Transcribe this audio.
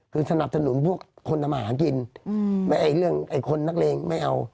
คือสนับสนุนพวกคนทำหากินอืมไม่เอาอีกเรื่องไอ้คนนักเลงไม่เอา